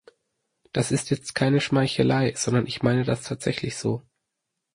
Das ist jetzt keine Schmeichelei, sondern ich meine das tatsächlich so!